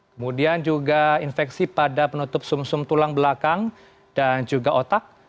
kemudian juga infeksi pada penutup sum sum tulang belakang dan juga otak